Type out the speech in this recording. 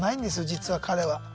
実は彼は。